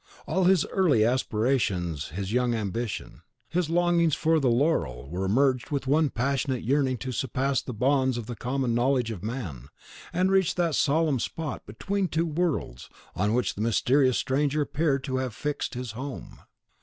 All his early aspirations his young ambition, his longings for the laurel were merged in one passionate yearning to surpass the bounds of the common knowledge of man, and reach that solemn spot, between two worlds, on which the mysterious stranger appeared to have fixed his home.